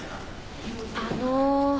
あの。